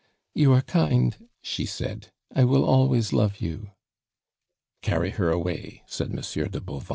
"You are kind," she said; "I will always love you " "Carry her away," said Monsieur de Bauvan.